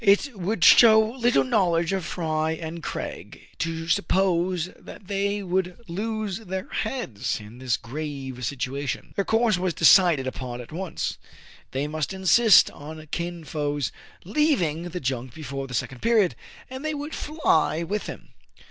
It would show little knowledge of Fry and Craig to suppose that they would lose their heads in this grave situation. Their course was decided upon at once : they must insist on Kin Fo's leaving the junk before the second period, and they would fly with him.